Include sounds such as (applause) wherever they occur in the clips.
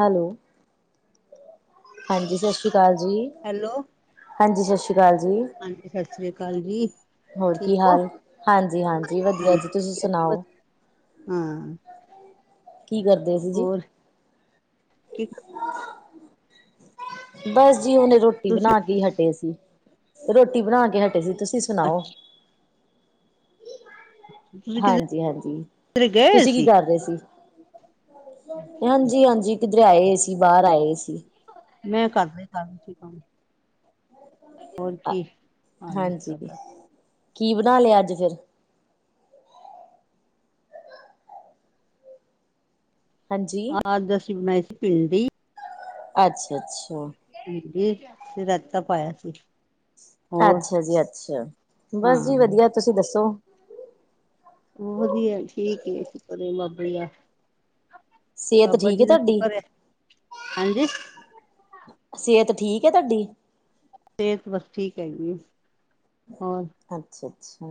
Hello, ਹਾਂਜੀ ਸਸ਼੍ਰੀ ਕਾਲ ਜੀ। ਹੈਲੋ। ਹਾਂਜੀ, ਸਸ਼੍ਰੀ ਕਾਲ ਜੀ। ਹਾਂਜੀ, ਸਸ੍ਰੀਆ ਕਾਲ ਜੀ। ਹੋਰ ਕੀ ਠੀਕ ਹੋ? ਹਾਲ? ਹਾਂਜੀ-ਹਾਂਜੀ ਵਦੀਆ ਹਾਂਜੀ ਜੀ, ਤੁਸੀਂ ਵਧੀਆ ਜੀ, ਸੁਣਾਓ? ਹਾਂ। ਕੀ ਕਰ ਹੋਰ ਕੀ ਬਸ ਜੀ ਹੁਨੇ ਰੋਟੀ ਤੁਸੀਂ ਬਨਾ ਕੇ ਹਟੇ ਸੀ ਰੋਟੀ ਬਣਾ ਕੇ ਹਟੇ ਸੀ ਤੁਸੀਂ ਸ ਸੁਨਾਓ ਅੱਛਾ ਤੁਸੀਂ ਕਿਧਰੇ ਹਾਂਜੀ ਹਾਂਜੀ ਗਏ ਹੋਏ ਤੁਸੀਂ ਕੀ ਸੀ? ਕਰ ਰਹੇ ਸੀ ਹਾਂਜੀ ਹਾਂਜੀ ਕਿਧਰੇ ਆਏ ਸੀ ਬਾਹਰ ਆਏ ਸੀ। ਮੈਂ ਘਰ ਦੇ ਕਰ ਰਹੀ ਸੀ ਕੰਮ ਹੋਰ ਕੀ ਹਾਂਜੀ ਸਾਡਾ (unintelligible) ਕੀ ਬਨਾ ਲਿਆ ਅੱਜ ਫੇਰ ਹਾਂਜੀ, ਹਾਂ ਅੱਜ ਅਸੀਂ ਬਣਾਈ ਸੀ ਭਿੰਡੀ ਅੱਛਾ ਅੱਛਾ। ਭਿੰਡੀ ਫਿਰ ਰੈਤਾ ਪਾਇਆ ਸੀ। ਹੋਰ ਅੱਛਾ ਜੀ ਅੱਛਾ ਬਸ ਜੀ ਹਾਂ। ਵਧੀਆ ਤੁਸੀਂ ਦੱਸੋ ਵਧੀਆ ਠੀਕ ਏ ਸ਼ੁਕਰ ਏ ਬਾਬੇ ਦਾ। ਸਿਹਤ ਬਾਬਾ ਠੀਕ ਜੀ ਹੈ ਦਾ ਤੁਹਾਡੀ ਸ਼ੁਕਰ ਏ, ਹਾਂਜੀ ਸੇਹਤ ਠੀਕ ਹੈ ਤੁਹਾਡੀ ਸਿਹਤ ਬਸ ਠੀਕ ਹੈਗੀ ਹੋਰ ਅੱਛਾ ਅੱਛਾ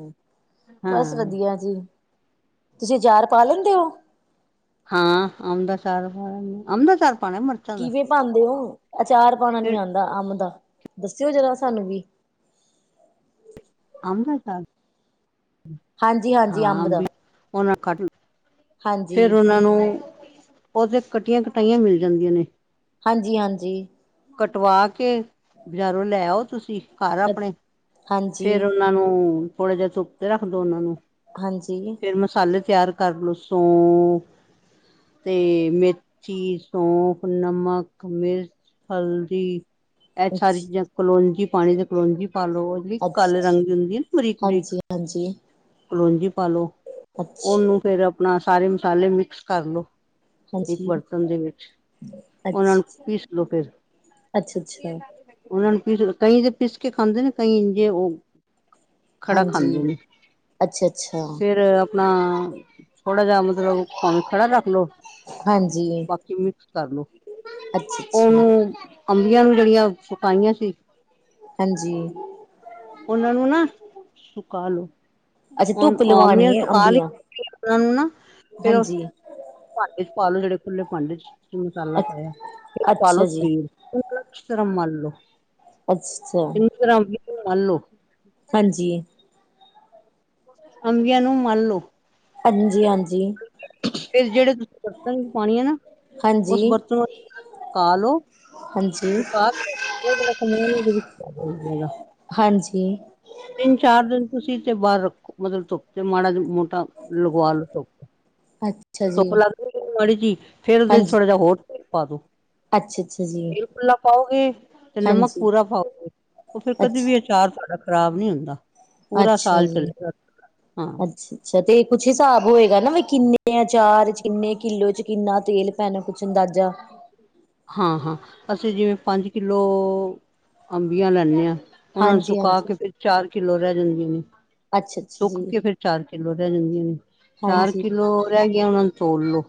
ਬਸ ਹਾਂ। ਵਧੀਆ ਜੀ ਤੁਸੀਂ ਅਚਾਰ ਪਾ ਲੈਂਦੇ ੳ ਹਾਂ ਅੱਮ ਦਾ ਅਚਾਰ ਪਾ ਲੈਨੇ ਆ ਅੱਮ ਦਾ ਅਚਾਰ ਪਾਣਾ ਮਿਰਚਾਂ ਦਾ, ਕਿਵੇਂ ਪਾਂਦੇ ੳ ਅਚਾਰ ਪਾਉਣਾ ਨੀ ਆਂਦਾ ਅੰਮ ਦਾ ਦੱਸਿਓ ਜਰਾ ਸਾਨੂੰ ਵੀ ਅੱਮ ਦਾ ਅਚਾਰ ਹਾਂਜੀ ਹਾਂਜੀ ਹਾਂ ਅੰਬ ਦਾ ਵੀ ਉਹਨਾਂ ਕੱਟ ਫੇਰ ਹਾਂਜੀ ਉਹਨਾਂ ਨੂੰ ਉਹ ਤੇ ਕਟੀਆਂ ਕਟਾਈਆਂ ਮਿਲ ਜਾਂਦੀਆਂ ਨੇ। ਹਾਂਜੀ ਹਾਂਜੀ। ਕਟਵਾ ਕੇ ਬਜਾਰੋਂ ਲੈ ਆਓ ਤੁਸੀਂ ਘਰ ਆਪਣੇ ਫੇਰ ਹਾਂਜੀ ਉਹਨਾਂ ਨੂੰ ਥੋੜਾ ਜਿਹਾ ਧੁੱਪ ਤੇ ਰੱਖਦੋ ਉਹਨਾਂ ਨੂੰ ਹਾਂਜੀ। ਫੇਰ ਮਸਾਲੇ ਤਿਆਰ ਕਰ ਲੋ ਸੋਂਫ ਤੇ ਮੇਥੀ ਸੌਂਫ, ਨਮਕ, ਮਿਰਚ ਹਲਦੀ ਇਹ ਸਾਰੀ ਚੀਜ਼ਾਂ ਅੱਛਾ ਕਲੋਂਜੀ ਪਾਣੀ ਦੇ ਕਲੋਂਜੀ ਪਾ ਲੋ ਕਾਲੇ ਅੱਛਾ ਰੰਗ ਦੀ ਹੁੰਦੀ ਹੈ ਨਾ ਬਰੀਕ ਬਰੀਕ ਹਾਂਜੀ ਹਾਂਜੀ ਕਲੋਂਜੀ ਪਾਲੋ ਅੱਛਾ ਉਹਨੂੰ ਫੇਰ ਆਪਣਾ ਸਾਰੇ ਮਸਾਲੇ ਮਿਕਸ ਕਰ ਲੋ। ਇੱਕ ਹਾਂਜੀ ਬਰਤਨ ਦੇ ਵਿੱਚ ਅੱਛਾ ਉਹਨਾਂ ਨੂੰ ਪੀਸ ਲੋ ਫਿਰ ਅੱਛਾ ਅੱਛਾ ਉਹਨਾ ਨੂੰ ਪੀਸ ਲੋ ਕਈ ਤੇ ਪੀਸ ਕੇ ਖਾਂਦੇ ਨੇ ਕਈ ਇੰਜੇ ਉਹ ਖੜਾ ਖਾਂਦੇ ਹਾਂਜੀ ਨੇ ਅੱਛਾ ਅੱਛਾ ਫੇਰ ਅਪਣਾ ਥੋੜਾ ਜਿਹਾ ਮਤਲਬ ਭਾਵੇਂ ਖੜਾ ਰੱਖ ਲੋੋ ਹਾਂਜੀ ਬਾਕੀ ਮਿਕਸ ਕਰਲੋ ਅੱਛਾ ਅੱਛਾ ਉਹਨੂੰ ਅੰਬੀਆਂ ਵੀ ਜਿਹੜੀਆਂ ਸੁਕਾਈਆਂ ਸੀ ਹਾਂਜੀ। ਉਹਨਾਂ ਨੂੰ ਨਾ ਸੁਕਾ ਲੋੋ। ਅੱਛਾ ਉਹ ੳ ਧੁੱਪ ਅੰਬੀਆ ਲਵਾਉਣੀ ਹੈ ਸੁਕਾ ਲਈ ਅੰਬੀਆਂ ਉਹਨਾ ਨੂੰ ਨਾ ਫੇਰ ਹਾਂਜੀ ਭਾਂਡੇ ਚ ਪਾਲੋ ਜਿਹੜੇ ਖੁੱਲੇ ਭਾਂਡੇ ਚ ਮਸਾਲਾ ਪਾਇਆ ਫੇਰ ਪਾਲੋ ਅੱਛਾ ਜੀ ਤੇਲ ਉਹਨੂੰ ਅੱਛੀ ਤਰਹ ਮਲ ਲੋ ਅੱਛਾ ਲ ਲ ਲੋ (unintelligible) (unintelligible) ਹਾਂਜੀ। ਅੰਬੀਆਂ ਨੂੰ ਮਲ ਲੋ। ਹਾਂਜੀ- ਹਾਂਜੀ। ਫੇਰ ਜਿਹੜੇ ਤੁਸੀਂ ਡੱਬੇ ਵਿਚ ਪਾਣੀ ਏ ਨਾ ਉਸ ਹਾਂਜੀ ਬਰਤਨ ਨੂੰ ਸੁਕਾ ਲੋ, ਹਾਂਜੀ ਸੁਕਾ ਕੇ ਓਹ ਜਿਹੜਾ ਸਮਾਨ ਏ ਇਹਦੇ ਵਿਚ ਪਾ ਦੇਣਾ। ਹਾਂਜੀ। ਤਿੰਨ -ਚਾਰ ਦਿਨ ਤੁਸੀਂ ਤੇ ਬਾਹਰ ਰੱਖੋ। ਮਦਲ ਤੋੱ ਕਤੇ ਮਾ ਦੀ ਮੋਟਾ ਲਗਵਾਲ ਤੋਪ। ਤੇ ਅੱਛਾ ਜੀ ਧੁੱਪ ਲੱਗਦੀ ਮਾੜੀ ਜੀਹੀ, ਫੇਰ ਉਹਦੇ ਚ' ਹਾਂਜੀ ਥੋੜ੍ਹਾ ਜਿਹਾ ਹੋਰ ਢਲ ਪਾ ਦੋ। ਅੱਛਾ ਅੱਛਾ ਜੀ ਤੇਲ ਖੁਲਾ ਪਾਓਗੇ। ਤੇ ਨਮਕ ਹਾਂਜੀ ਪੂਰਾ ਪਾਓਗੇ। ਉਹ ਫਰ ਕਦੇ ਵੀ ਅ ਅੱਛਾ ਅਚਾਰ ਤੁਹਾਡਾ ਖ਼ਰਾਬ ਨੀ ਹੁੰਦਾ, ਪੂਰਾ ਅੱਛਾ ਸਾਲ ਜੀ ਚਲਦਾ। ਅੱਛਾ- ਅੱਛਾ ਤੇ ਕੁਛ ਹਿਸਾਬ ਹੋਏਗਾ ਨਾ ਕਿੰਨੇ ਆਚਾਰ ਕਿੰਨੇ ਕਿੱਲੋ ਚ' ਕਿੰਨਾ ਤੇਲ ਪੈਣਾ ਕੁਛ ਅੰਦਾਜ਼ਾ ਹਾਂ- ਹਾਂ ਅਸੀਂ ਜਿਵੇਂ ਪੰਜ ਕਿਲੋ, ਅੰਬੀਆਂ ਲੈਂਦੇ ਹਾਂ। ਉਹਨਾ ਨੂੰ ਹਾਂਜੀ ਸੁਕਾ ਕੇ ਹਾਂਜੀ ਫਿਰ ਚਾਰ ਕਿੱਲੋ ਰਹਿ ਜਾਂਦੀਆਂ ਨੇ। ਅੱਛਾ ਅੱਛਾ ਜੀ ਸੁੱਕ ਕੇ ਫਿਰ ਚਾਰ ਕਿੱਲੋ ਰਹਿ ਜਾਂਦੀਆਂ ਨੇ, ਚਾਰ ਹਾਂਜੀ ਕਿੱਲੋ ਰਹਿ ਗਈਆਂ ਉਹਨਾਂ ਨੂੰ ਤੋਲ ਲੋੋ।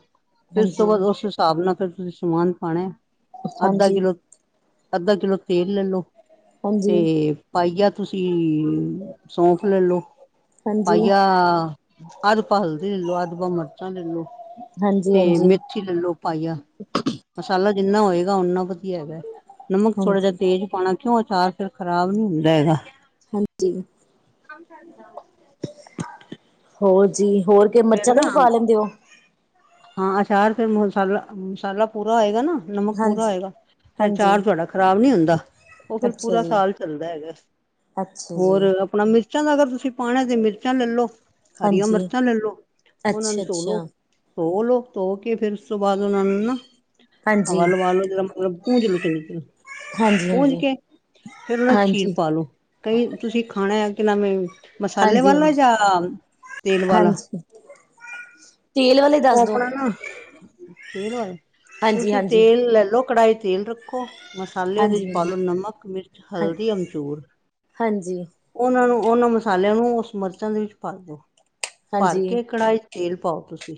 ਫਿਰ ਉਸ ਤੋਂ ਹਾਂਜੀ ਬਾਅਦ ਹਾਂਜੀ ਉਸ ਹਿਸਾਬ ਨਾਲ ਫਿਰ ਤੁਸੀਂ ਸਮਾਨ ਪਾਣਾ। ਅੱਧਾ ਹਾਂਜੀ ਕਿੱਲੋ ਅੱਧਾ ਕਿੱਲੋ ਤੇਲ ਲੈ ਲੋ। ਹਾਂਜੀ ਤੇ ਪਾਈਆ ਤੁਸੀਂ ਸੌਂਫ ਲੈ ਲੋ। ਹਾਂਜੀ ਪਾਈਆ ਅੱਧ ਪਾ ਹਲਦੀ ਲੈ ਲੋ, ਅੱਧ ਪਾ ਮਿਰਚਾਂ ਲੈ ਲੋ। ਹਾਂ। ਤੇ ਮੇਥੀ ਲੈ ਲੋ ਪਾਈਆ। ਮਸਾਲਾ ਜਿੰਨਾ ਹੋਏਗਾ ਓਨਾ ਵਧੀਆ ਹੈਗਾ। ਨਮਕ ਥੋੜ੍ਹਾ ਜਿਹਾ ਹਾਂਜੀ ਤੇਜ਼ ਪਾਉਣਾ ਕਿਉਂ ਅਚਾਰ ਫਿਰ ਖਰਾਬ ਨੀ ਹੁੰਦਾ ਹੈਗਾ। ਹਾਂਜੀ। ਹੋਰ ਜੀ ਹੋਰ ਕੇ ਫੇਰ ਮਿਰਚਾਂ ਤੇ ਨਾ, ਵੀ ਪਾ ਲੈਂਦੇ ਹੋ ਹਾਂ ਅਚਾਰ ਫਿਰ ਮਸਾਲਾ -ਮਸਾਲਾ ਪੂਰਾ ਹੋਏਗਾ ਨਾ। ਨਮਕ ਪੂਰਾ ਹਾਂਜੀ ਹੋਏਗਾ ਤੇ ਹਾਂਜੀ ਅਚਾਰ ਤੁਹਾਡਾ ਖ਼ਰਾਬ ਨੀ ਹੁੰਦਾ। ਉਹ ਫਿਰ ਅੱਛਾ ਪੂਰਾ ਜੀ ਸਾਲ ਚੱਲਦਾ ਹੈਗਾ। ਅੱਛਾ ਹੋਰ, ਜੀ ਆਪਣਾ ਮਿਰਚਾਂ ਦਾ ਅਗਰ ਤੁਸੀਂ ਪਾਣਾ ਤੇ ਮਿਰਚਾਂ ਲੈ ਲੋ, ਹਰੀਆਂ ਹਾਂਜੀ ਮਿਰਚਾਂ ਲੈ ਲੋ, ਉਹਨਾਂ ਅੱਛਾ ਨੂੰ ਧੋਲੋ। ਅੱਛਾ ਧੋ ਲੋ, ਧੋ ਕੇ ਫੇਰ ਉਸ ਤੋਂ ਬਾਅਦ ਉਹਨਾ ਨੂੰ ਨਾ, ਹਾਂਜੀ ਹਵਾ ਲਵਾ ਲੋ ਜਿਹੜ ਮਤਲਬ ਪੂੰਜ ਲੋ ਚੰਗੀ ਤਰ੍ਹਾਂ, ਹਾਂਜੀ ਪੂੰਜ ਹਾਂਜੀ ਕੇ, ਫੇਰ ਉਹਨਾ ਚੀਰ ਹਾਂਜੀ ਪਾ ਲੋ। ਕਈ ਤੁਸੀਂ ਖਾਣਾ ਆ ਕਿ ਨਵੇਂ ਮਸਾਲੇ ਹਾਂਜੀ ਵਾਲਾ ਜਾਂ ਤੇਲ ਹਾਂਜੀ ਵਾਲਾ। ਹਾਂਜੀ ਤੇਲ ਵਾਲੇ ਉਹ ਦੱਸ ਦੋ ਆਪਣਾ ਨਾ, ਤੇਲ ਵੱਲ, ਹਾਂਜੀ ਤੁਸੀਂ ਹਾਂਜੀ ਤੇਲ ਲੈਲੋ ਕੜਾਹੀ ਤੇਲ ਰੱਖ ਦੇਖੋ, ਮਸਾਲੇ ਉਹਦੇ ਹਾਂਜੀ ਚ ਹਾਂਜੀ ਪਲੋ ਨਮਕ, ਮਿਰਚ, ਹਾਂ ਹਲਦੀ, ਅਮਚੂਰ। ਹਾਂਜੀ। ਉਹਨਾਂ ਨੂੰ ਉਹਨਾਂ ਮਸਾਲਿਆਂ ਨੂੰ ਉਸ ਮਿਰਚਾਂ ਦੇ ਵਿੱਚ ਭਰ ਦਿਓ। ਭਰ ਹਾਂਜੀ ਕੇ ਕੜਾਹੀ ਤੇਲ ਪਾਓ ਤੁਸੀਂ।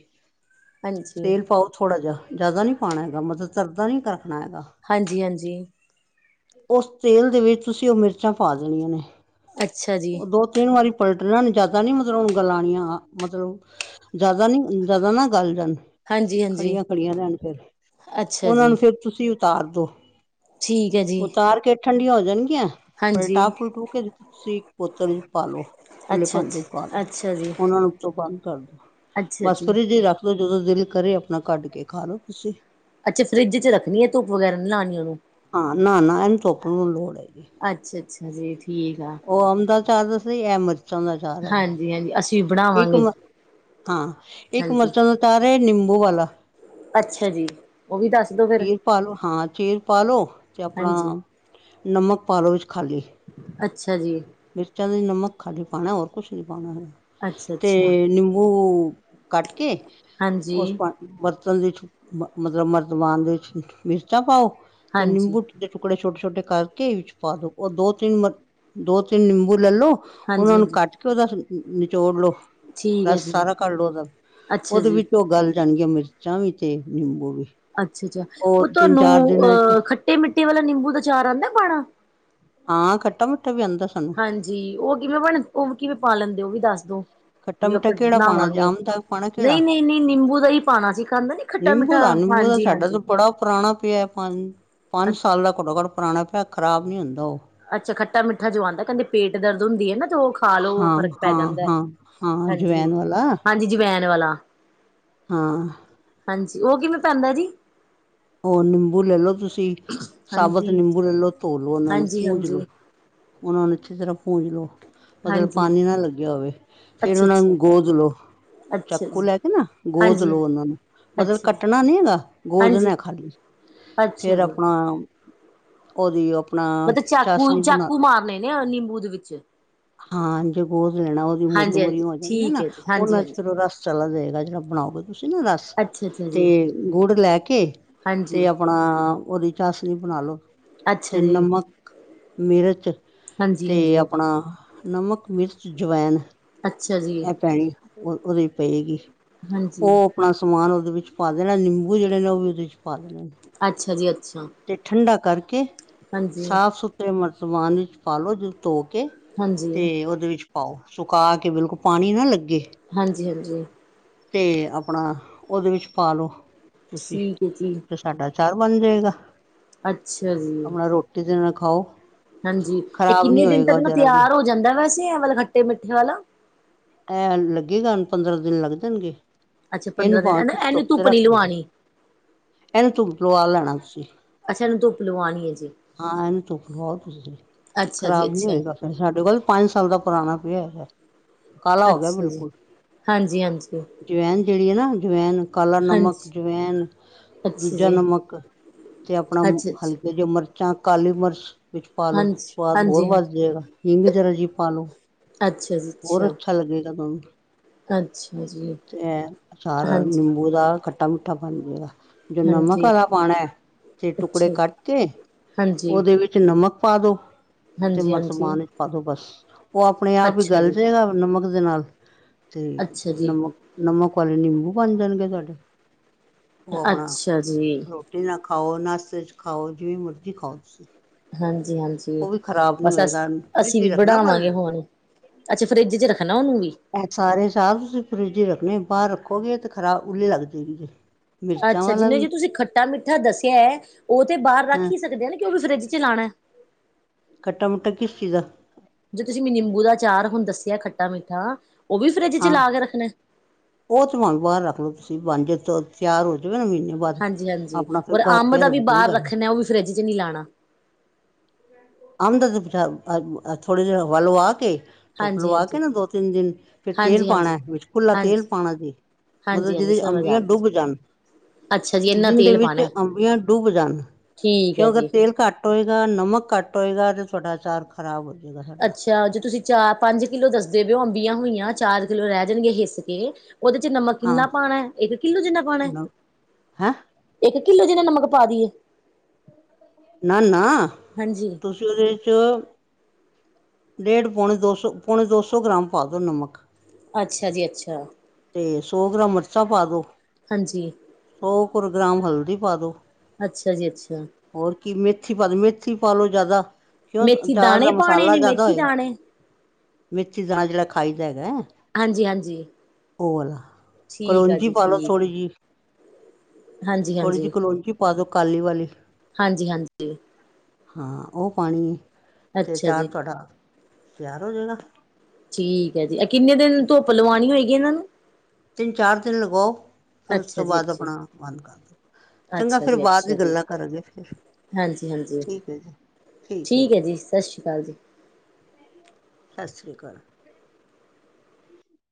ਹਾਂਜੀ ਤੇਲ ਪਾਓ। ਥੋੜ੍ਹਾ ਜਿਹਾ, ਜ਼ਿਆਦਾ ਨਹੀਂ ਪਾਉਣਾ ਹੈਗਾ ਮਦਦ ਤਰਦਾ ਨਹੀਂ ਕਰਨਾ ਹੈਗਾ। ਹਾਂਜੀ- ਹਾਂਜੀ। ਉਸ ਤੇਲ ਦੇ ਵਿੱਚ ਤੁਸੀਂ ਉਹ ਮਿਰਚਾਂ ਪਾ ਦੇਣੀਆਂ ਨੇ। ਅੱਛਾ ਜੀ ਉਹ ਦੋ ਤਿੰਨ ਵਾਰੀ ਪਲਟਣਾ ਨੂੰ ਜਿਆਦਾ ਨੀ ਮਤਲਬੁਣ ਗਲਉਣੀਆਂ, ਮਤਲਬ ਜਿਆਦਾ ਨੀ, ਜਿਆਦਾ ਨਾ ਗੱਲ ਜਾਣ। ਹਾਂਜੀ ਹਾਂਜੀ ਖੜੀਆਂ- ਖੜੀਆਂ ਰੈਣ ਫੇਰ, ਅੱਛਾ ਉਹਨਾ ਜੀ ਨੂੰ ਫੇਰ ਤੁਸੀਂ ਉਤਾਰ ਦੋ। ਠੀਕ। ਹੈ ਜੀ ਉਤਾਰ ਕੇ ਠੰਡੀਆਂ ਹੋ ਜਾਣਗੀਆਂ ਹਾਂਜੀ ਪਲਟਾ- ਪਲਟੂ ਕੇ ਤੁਸੀਂ ਬੋਤਰ ਚ' ਪਾਲੋ। ਖੁੱਲੇ ਅੱਛਾ ਭਾਂਡੇ ਵਿਚ ਅੱਛਾ ਪਾਲੋ, ਅੱਛਾ ਜੀ ਉਹਨਾਂ ਨੂੰ ਤੋਂ ਬੰਦ ਕਰਦੋ, ਅੱਛਾ ਬਸ ਜੀ ਫਰੇਜ ਚ ਰੱਖਦੋ, ਜਦੋਂ ਦਿਲ ਕਰੇ ਆਪਨਾ ਕੱਢ ਕੇ ਖਾ ਲੋ ਤੁਸੀਂ। ਅੱਛਾ, ਫਰਿੱਜ ਚ ਰੱਖਨੀ ਏ, ਧੁਪ ਵਗੈਰਾ ਨੀ ਲਾਨੀ ਉਨੂੰ। ਹਾਂ ਨਾ-ਨਾ ਏਨੂੰ ਧੁੱਪ ਨੂੰ ਲੋੜ ਹੈਗੀ। ਅੱਛਾ, ਅੱਛਾ ਜੀ, ਠੀਕ। ਆ ਓ ਅੰਬ ਦਾ ਚਾਰ ਦੱਸੇਆ, ਏ ਮਰਚਾਂ ਦਾ ਚਾਰ ਹੈਗਾ। ਹਾਂਜੀ -ਹਾਂਜੀ ਅਸੀਂ ਬੜਾ ਇੱਕ ਮ ਹਾਂ ਇਕ ਹਾਂਜੀ ਮਰਚਾਂ ਦਾ ਆਚਾਰ ਏ। ਨੀਂਬੂ ਵਾਲਾ। ਅੱਛਾ ਜੀ, ਓ ਓ ਵੀ ਦੱਸ ਦੋ ਫੇਰ। ਚੀਰ ਪਾਲੋ ਹਾਂ, ਚੀਰ ਪਾਲੋ ਤੇ ਆਪਨਾ ਹਾਂਜੀ ਨਮਕ ਪਾ ਲਓ ਵਿੱਚ ਖਾਲੀ। ਅੱਛਾ ਜੀ। ਮਿਰਚਾਂ ਦੇ ਨਮਕ ਖਾਲੀ ਪਾਨਾ, ਹੋਰ ਕੁਛ ਨੀ ਪਾਨਾ, ਅੱਛਾ ਅੱਛਾ ਤੇ ਨਿੰਬੂ ਕੱਟ ਕੇ ਹਾਂਜੀ ਉਸ ਪਾ ਬਰਤਨ ਦੇ ਵਿੱਚ-ਮਤਲਬ ਮਰਤਬਾਨ ਦੇ ਮਿਰਚਾਂ ਪਾਓ ਤੇ ਹਾਂਜੀ ਨਿੰਬੂ ਦੇ ਟੁਕੜੇ ਛੋਟੇ, ਛੋਟੇ ਕਰਕੇ ਵਿੱਚ ਪਾ ਦੋ, ਔਰ ਦੋ- ਤਿੰਨ, ਦੋ -ਤਿੰਨ ਨਿੰਬੂ ਲੈਲੋ। ਉਨਾ ਹਾਂਜੀ ਨੂੰ ਹਾਂਜੀ ਕੱਟ ਕੇ ਉਦਾ ਨਿਚੋੜ ਲਓ। ਠੀਕ ਹੈ ਰਸ ਜੀ ਸਾਰਾ ਕੱਢ ਲਓ ਉਦਾ, ਅੱਛਾ ਉਦੇ ਜੀ ਵਿੱਚ ਓ ਗੱਲ ਜਾਨਗੀਆਂ ਮਿਰਚਾਂ ਵੀ ਤੇ ਨਿੰਬੂ ਵੀ। ਅੱਛਾ, ਅੱਛਾ ਓ ਉਹ ਤਿੰਨ ਤਾਨੂੰ ਚਾਰ ਦਿਨਾਂ ਵਿੱਚ ਅ ਖੱਟੇ-ਮਿੱਟੇ ਵਾਲਾ ਨਿੰਬੂ ਦਾ ਚਾਰ ਆਂਦਾ ਪਾਨਾ। ਹਾਂ, ਖੱਟਾ -ਮੀਠਾ ਵੀ ਆਂਦਾ। ਹਾਂਜੀ, ਓ ਕਿਵੇਂ ਬਨ, ਓ ਕਿਵੇਂ ਪਾ ਲੈਂਦੇ ਓ? ਓ ਵੀ ਦੱਸ ਦੋ। ਖੱਟਾ ਵੀ ਮਿੱਠਾ ਆਪਾਂ ਕਿਹੜਾ ਪਾਉਣਾ ਬਨਾਵਾਂਗੇ, ਆਮ ਦਾ ਪਾਉਣਾ ਕਿਹੜਾ ਨਈ, ਨਈ, ਨਈ ਨਿੰਬੂ ਦਾ ਹੀ ਪਾਨਾ ਸੀ, ਖਾਂਦਾ ਨੀ। ਖੱਟਾ ਮਿੱਠਾ ਨਿੰਬੂ ਦਾ, ਨਿੰਬੂ ਦਾ ਹਾਂਜੀ ਸਾਡਾ ਹਾਂਜੀ ਤਾਂ ਬੜਾ ਪੁਰਾਣਾ ਪੇਆ। ਪੰਜ, ਪੰਜ ਸਾਲ ਦਾ ਘੱਟੋ-ਘੱਟ ਪੁਰਾਨਾ ਪੇਆ, ਖਰਾਬ ਨੀ ਹੁੰਦਾ ਓ। ਅੱਛਾ, ਖੱਟਾ-ਮਿੱਠਾ ਜੋ ਆਂਦਾ, ਕਹਿੰਦੇ ਪੇਟ ਦਰਦ ਹੁੰਦੀ ਹੈ ਨਾ ਓ ਖਾ ਲੋ ਹਾਂ ਫ਼ਰਕ ਪੈ ਹਾਂ ਜਾਂਦਾ, ਹਾਂ ਹਾਂ ਅਜਵੈਨ ਵਾਲਾ ਹਾਂਜੀ-ਹਾਂਜੀ ਜਵੈਨ ਵਾਲਾ। ਹਾਂ। ਹਾਂਜੀ, ਓ ਕਿਵੇਂ ਪੈਂਦਾ ਜੀ? ਔਰ ਨਿੰਬੂ ਲੈ ਲੋ ਤੁਸੀਂ, ਸਾਬਤ ਹਾਂਜੀ ਨਿੰਬੂ ਲੈ ਲਓ, ਧੋ ਲੋ ਉਨਾਂ ਨੂੰ ਹਾਂਜੀ ਪੂੰਜ ਲੋ ਹਾਂਜੀ ਉਨਾ ਨੂੰ ਅਛੀ ਤਰ੍ਹਾਂ ਪੂੰਜ ਲੋ। ਮਤਲਬ ਹਾਂਜੀ ਪਾਨਾ ਨਾ ਲੱਗੇਆ ਹੋਵੇ, ਫੇਰ ਅੱਛਾ ਉਨਾ ਅੱਛਾ ਨੂੰ ਗੋਦ ਲੋ। ਅੱਛਾ ਚਾਕੂ ਜੀ ਲੈ ਕੇ ਨਾ ਗੋਦ ਹਾਂਜੀ ਲਓ, ਉਨਾ ਨੂੰ ਮਤਲਬ ਅੱਛਾ ਜੀ ਕੱਟਨਾ ਨੀ ਹੈਗਾ ਹਾਂਜੀ ਗੋਦਨਾ। ਅੱਛਾ ਫੇਰ ਜੀ ਆਪਨਾ ਉਦੀ ਓ ਆਪਨਾ ਮਤਲਬ ਚਾਕੂ ਚਾਸ਼ਨੀ ਬਨਾ ਚਾਕੂ ਮਾਰਨੇ ਨੇ ਨਿੰਬੂ ਦੇ ਵਿੱਚ ਹਾਂ ਜੇ ਗੋਦ ਲੈਨੀ ਉਦੀ ਮੂਰੀਆਂ- ਹਾਂਜੀ ਹਾਂਜੀ ਮੂਰੀਆਂ ਹੋ ਜਾਨੀਆਂ ਠੀਕ ਨਾ, ਹੈ ਜੀ ਹਾਂਜੀ ਉਨਾ ਚ ਹਾਂਜੀ ਫੇਰ ਓ ਰਸ ਚਲਾ ਜਾਏਗਾ ਜਿਹੜਾ ਬਨਾਓਗੇ, ਤੁਸੀਂ ਨਾ ਰਸ ਅੱਛਾ ਅੱਛਾ ਤੇ ਜੀ ਗੁੜ ਲੈ ਕੇ ਤੇ ਹਾਂਜੀ ਆਪਨਾ ਉਦੀ ਚਾਸਨੀ ਬਨਾ ਲੋ, ਤੇ ਅੱਛਾ ਜੀ ਨਮਕ, ਮਿਰਚ ਹਾਂਜੀ ਤੇ ਹਾਂਜੀ ਆਪਨਾ ਨਮਕ, ਮਿਰਚ, ਜਵੈਂਨ ਅੱਛਾ ਜੀ। ਏਅ ਪੈਨੀ, ਓ ਉਦੇ ਚ ਪਏਗੀ ਓ ਹਾਂਜੀ ਆਪਨਾ ਸਮਾਨ ਉਦੇ ਵਿੱਚ ਪਾ ਦੇਨਾ, ਨਿੰਬੂ ਜੇੜੇ ਨੇ ਓ ਵੀ ਉਦੇ ਵਿੱਚ ਪਾ ਦੇਨੇ ਨੇ। ਅੱਛਾ ਜੀ ਅੱਛਾ ਤੇ ਠੰਡਾ ਕਰਕੇ ਹਾਂਜੀ ਸਾਫ-ਸੁਥਰੇ ਮਰਤਵਾਨ ਵਿੱਚ ਪਾ ਲੋ, ਜੇ ਤੋਪ ਕੇ ਹਾਂਜੀ ਤੇ ਉਦੇ ਵਿੱਚ ਪਾਓ, ਸੁਕਾ ਕੇ ਬਿਲਕੁਲ ਪਾਨੀ ਨਾ ਲੱਗੇ। ਹਾਂਜੀ-ਹਾਂਜੀ। ਤੇ ਆਪਣਾ ਉਹਦੇ ਵਿੱਚ ਪਾਲੋ ਤੁਸੀਂ ਠੀਕ ਹੈ ਜੀ ਤਾਡਾ ਚਾਰ ਬਣ ਜਾਏਗਾ। ਅੱਛਾ ਜੀ। ਕਿਸੇ ਨਾਲ ਖਾਓ। ਹਾਂਜੀ ਇਹ ਖ਼ਰਾਬ ਨੀ ਕਿੰਨੇ ਦਿਨ ਤੱਕ ਹੋਏਗਾ ਨਾ ਜਰਾ ਵੀ ਤਿਆਰ ਹੋ ਜਾਂਦਾ ਵੈਸੇ ਆ ਮਤਲਬ ਖੱਟੇ ਮਿੱਠੇ ਵਾਲਾ। ਐ ਲੱਗੇਗਾ ਹੁਨ ਪੰਦਰਾਂ ਦਿਨ ਲੱਗ ਜਾਣਗੇ ਅੱਛਾ ਇਹਨੂੰ ਪੰਦਰਾਂ ਭਾਵੇਂ ਦਿਨ ਨਾ ਤੁਸੀਂ ਇਹਨੂੰ ਧੁੱਪ ਤੇ ਨੀ ਰੱਖ ਦੋ। ਲਵਾਉਣੀ ਇਹਨੂੰ ਧੁੱਪ ਲਵਾ ਲੈਣਾ ਤੁਸੀਂ। ਅੱਛਾ ਇਹਨੂੰ ਧੁੱਪ ਲਵਾਉਣੀ ਹੈ ਜੀ ਹਾਂ ਇਹਨੂੰ ਧੁੱਪ ਲਵਾਓ ਤੁਸੀਂ ਅੱਛਾ ਜੀ ਖ਼ਰਾਬ ਨੀ ਅੱਛਾ ਹੋਏਗਾ। ਸਾਡੇ ਕੋਲ ਪੰਜ ਸਾਲ ਦਾ ਪੁਰਾਣਾ ਪਿਆ ਹੋਇਆ। ਅੱਛਾ ਜੀ ਹਾਂਜੀ, ਹਾਂਜੀ। ਜਵੈਨ ਜਿਹੜੀ ਹੈ ਨਾ ਜਵੈਨ ਕਾਲਾ ਨਮਕ ਹਾਂਜੀ ਜਵੈਨ ਅੱਛਾ ਦੂਜਾ ਜੀ ਨਮਕ ਤੇ ਆਪਣਾ ਅੱਛਾ ਹਲ ਅੱਛਾ ਇਹ ਜੋ ਮਿਰਚਾਂ ਕਾਲੀ ਮਿਰਚ ਵਿੱਚ ਪਾ ਲਉ ਹਾਂਜੀ ਹਾਂਜੀ ਸਵਾਦ ਹੋਰ ਹਾਂਜੀ ਵੱਧ ਜਾਏਗਾ ਹਿੰਗ ਜਰਾ ਜੀ ਪਾ ਲਉ। ਅੱਛਾ ਜੀ ਅੱਛਾ। ਹਲਕਾ ਲੱਗੇਗਾ ਤੁਹਾਨੂੰ ਅੱਛਾ ਜੀ ਤੇ ਐ ਸਾਰਾ ਹਾਂਜੀ ਨਿੰਬੂ ਦਾ ਕੱ ਖਟਾ ਮਿੱਠਾ ਬਣ ਜੇਗਾ। ਜੋ ਨਮਕ ਹਾਂਜੀ ਵਾਲਾ ਪਾਉਣਾ, ਤੇ ਟੁਕੜੇ ਅੱਛਾ ਕੱਟ ਕੇ ਹਾਂਜੀ, ਉਹਦੇ ਵਿੱਚ। ਵਿੱਚ ਨਮਕ ਪਾ ਦੋ, ਤੇ ਹਾਂਜੀ, ਹਾਂਜੀ ਮਰਤਬਾਨ ਵਿੱਚ ਪਾ ਦੋ, ਬਸ ਉਹ ਆਪਣੇ ਆਪ ਹੀ। ਅੱਛਾ ਜੀ। ਗਲ ਜੇਗਾਂ ਨਮਕ ਦੇ ਨਾਲ ਤੇ ਅੱਛਾ ਜੀ, ਨਮਕ। ਨਮਕ ਵਾਲੇ ਨਿੰਬੂ ਬਣ ਜਾਣਗੇ ਤੁਹਾਡੇ ਉਹ ਆਪਣਾ। ਅੱਛਾ ਜੀ, ਰੋਟੀ ਨਾ ਖਾਓ, ਨਾਸਤੇ ਚ ਖਾਓ, ਜਿਵੇਂ ਮਰਜ਼ੀ ਖਾਓ ਤੁਸੀਂ। ਹਾਂਜੀ-ਹਾਂਜੀ ਉਹ ਵੀ ਖ਼ਰਾਬ ਨਹੀਂ ਬਸ ਹੋਏਗਾ ਅਸੀ-ਅਸੀਂ ਫਰਿੱਜ ਹੀ ਵੀ ਰੱਖਣਾ ਪਰ ਬਣਾਾਵਾਂਗੇ ਹੁਣ। ਅੱਛਾ ਫਰਿੱਜ ਚ ਰੱਖਣਾ ਉਹਨੂੰ ਵੀ? ਸਾਰੇ ਸਾਲ ਤੁਸੀਂ ਫਰਿੱਜ ਹੀ ਰੱਖਣੇ, ਬਾਹਰ ਰੱਖੋਗੇ ਤੇ ਖਰਾਬ, ਉੱਲੀ ਲੱਗ ਜਾਏਗੀ। ਮਿਰਚਾਂ ਅੱਛਾ ਵਾਲਾ ਜਿਨੇ ਵੀ ਜੇ ਤੁਸੀਂ ਖੱਟਾ ਮਿੱਠਾ ਦੱਸਿਆ, ਉਹ ਤੇ ਬਾਹਰ ਹੈਂ ਰੱਖ ਹੀ ਸਕਦੇ ਆ ਨਾ, ਕਿ ਉਹ ਵੀ ਫਰਿੱਜ ਚ ਲਾਣਾ? ਖੱਟਾ ਮਿੱਠਾ ਕਿਸ ਚੀਜ਼ ਦਾ? ਜੋੇ ਤੁਸੀਂ ਮੈ ਨਿੰਬੂ ਦਾ ਚਾਰ ਹੁਣ ਦੱਸਿਆ ਖੱਟਾ ਮਿੱਠਾ, ਉਹ ਵੀ ਫਰਿੱਜ ਚ ਹਾਂ ਲਾ ਕੇ ਰੱਖਣਾ? ਉਹ ਤੇ ਭਾਵੇਂ ਬਾਹਰ ਰੱਖ ਲੋੋ ਤੁਸੀਂ ਬਣ ਜਾ ਤਿਆਰ ਹੋ ਜਾਵੇ ਨਾਂ ਮਹੀਨੇ ਬਾਅਦ ਹਾਂਜੀ-ਹਾਂਜੀ ਆਪਣਾ ਫਿਰ ਔਰ ਬਾਹਰ ਅੰਬ ਪਿਆ ਦਾ ਵੀ ਰਵੇ ਕੋਈ ਬਾਹਰ ਗੱਲ ਨਹੀਂ ਰੱਖਣਾ, ਉਹ ਵੀ ਫਰਿੱਜ ਚ ਨਹੀ ਲਾਉਣਾ। ਆਮਦਾ (unintelligible) ਥੋੜ੍ਹੀ ਦੇ ਵਾਹ ਆ ਕੇ ਧੁੱਪ ਹਾਂਜੀ, ਲਵਾ ਕੇ ਹਾਂਜੀ, ਨਾ ਦੋ ਤਿੰਨ ਦਿਨ, ਫੇਰ ਤੇਲ ਹਾਂਜੀ, ਹਾਂਜੀ, ਪਾਉਣਾ ਵਿੱਚ ਖੁੱਲਾ ਤੇਲ ਹਾਂਜੀ, ਪਾਉਣਾ ਜੀ। ਮਤਲਬ ਹਾਂਜੀ, ਹਾਂਜੀ ਜਿਹਦੇ ਸਮਝ ਅੰਬੀਆਂ ਆ ਗਈ। ਡੁੱਬ ਜਾਣ। ਅੱਛਾ ਜੀ ਇੰਨਾ ਜੀਹਦੇ ਤੇਲ ਵਿੱਚ ਪਾਣਾ ਅੰਬੀਆਂ ਡੁੱਬ ਜਾਣ ਠੀਕ ਕਿ ਹੈ ਅਗਰ ਜੀ। ਤੇਲ ਘੱਟ। ਘੱਟ ਹੋਏਗਾ, ਨਮਕ ਘੱਟ ਹੋਏਗਾ ਤੇ ਤੁਹਾਡਾ ਅਚਾਰ ਖਰਾਬ ਹੋ ਜਾਵੇਗਾ ਸਾਡਾ। ਅਚਾਰ ਜੋੇ ਤੁਸੀਂ ਚਾਰ ਪੰਜ ਕਿੱਲੋ ਦੱਸਦੇ ਪਏ ਓ ਅੰਬੀਆਂ ਹੋਈਆਂ ਚਾਰ ਕਿੱਲੋ ਰਹਿ ਜਾਣਗੇ ਹਿਸ ਕੇ। ਉਹਦੇ ਚ ਨਮਕ ਹਾਂ ਕਿੰਨਾ ਪਾਉਣਾ? ਇੱਕ ਕਿੱਲੋ ਜਿੰਨਾ ਪਾਉਣਾ? ਨ ਹੈਂ ਇੱਕ ਕਿੱਲੋ ਜਿੰਨਾ ਨਮਕ ਪਾ ਦੀਏ? ਨਾ-ਨਾ ਹਾਂਜੀ ਤੁਸੀਂ ਉਹਦੇ ਚ। ਡੇਢ ਪੌਣੇ ਦੋ ਸੌ-ਪੌਣੇ ਦੋ ਸੌ ਗ੍ਰਾਮ ਪਾ ਦਿਉ ਨਮਕ। ਅੱਛਾ ਜੀ ਅੱਛਾ। ਤੇ, ਸੌ ਗ੍ਰਾਮ ਮਿਰਚਾਂ ਪਾ ਦੋ। ਹਾਂਜੀ। ਸੌ ਕੁ ਗ੍ਰਾਮ ਹਲਦੀ ਪਾ ਦੋ। ਅੱਛਾ ਜੀ ਅੱਛਾ। ਹੋਰ ਕੀ ਮੇਥੀ ਪਾ ਲਓ ਮੇਥੀ ਪਾਾਲੋ ਜ਼ਿਆਦਾ ਕਿਉ ਮੇਥੀ ਅਚਾਰ ਦਾ ਦਾਣੇ ਪਾਣੇ ਮਸਾਲਾ ਨੇ ਜ਼ਿਆਦਾ। ਮੇਥੀ ਦਾਣੇ (inaudible) ਮੇਥੀ ਦਾਣਾ ਜਿਹੜਾ ਖਾਈਦਾ ਹੈਗਾ ਹੈ। ਹਾਂਜੀ ਹਾਂਜੀ। ਓਹ ਵਾਲਾ, ਠੀਕ ਆ ਕਲੋਂਜੀ ਜੀ ਪਾ ਲੋ ਠੀਕ ਥੋੜੀ ਆ ਜਿਹੀ। ਹਾਂਜੀ ਥੋੜੀ ਜਿਹੀ ਹਾਂਜੀ ਕਲੋਂਜੀ ਪਾ ਦੋ ਕਾਲੀ ਵਾਲੀ। ਹਾਂਜੀ -ਹਾਂਜੀ। ਹਾਂ, ਉਹ ਪਾਉਣੀ ਏ ਤੇ ਅੱਛਾ ਅਚਾਰ ਜੀ। ਤੁਹਾਡਾ, ਤਿਆਰ ਹੋ ਜਾਣਾ। ਠੀਕ ਹੈ ਜੀ, ਇਹ ਕਿੰਨੇ ਦਿਨ ਧੁੱਪ ਲਵਾਉਣੀ ਹੋਏਗੀ ਇਹਨਾਂ ਨੂੰ। ਤਿੰਨ ਚਾਰ ਦਿਨ ਲਗਾਓ,। ਫਿਰ ਉਸ ਅੱਛਾ ਤੋਂ ਜੀ ਬਾਅਦ ਅੱਛਾ ਆਪਣਾ, ਬੰਦ ਕਰ ਦਿਉ। ਚੰਗਾ ਅੱਛਾ ਫੇਰ ਜੀ ਬਾਅਦ ਦੀ ਅੱਛਾ ਜੀ। ਗੱਲਾਂ ਕਰਾਂਗੇ ਫਿਰ, ਹਾਂਜੀ-ਹਾਂਜੀ ਠੀਕ ਹੈ ਜੀ। ਠੀਕ ਹੈ ਜੀ, ਸਤਿ ਸ਼੍ਰੀ ਅਕਾਲ ਜੀ। ਸਤਿ ਸ੍ਰੀ ਅਕਾਲ।